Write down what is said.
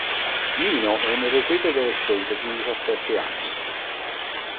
Nino è un irrequieto adolescente di diciassette anni.